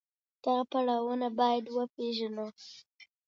دغه پړاوونه بايد وپېژنو.